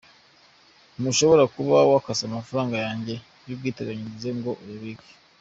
Ntushobora kuba wakase amafaranga yanjye y’ubwiteganyirize ngo uyabike.